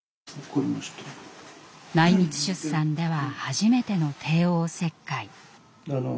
内密出産では初めての帝王切開。